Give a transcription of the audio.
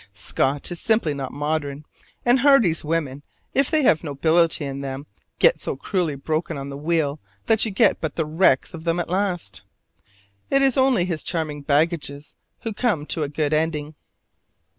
Scott is simply not modern; and Hardy's women, if they have nobility in them, get so cruelly broken on the wheel that you get but the wrecks of them at last. It is only his charming baggages who come to a good ending.